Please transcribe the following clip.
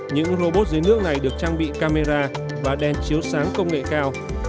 những robot dưới nước này được trang bị camera và đèn chiếu sáng công nghệ cao